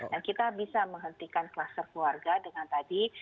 dan kita bisa menghentikan kluster keluarga dengan tadi